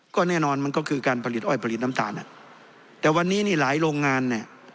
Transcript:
ก็แน่นอนมันก็คือการผลิตอ้อยผลิตน้ำตาลอ่ะแต่วันนี้นี่หลายโรงงานเนี่ย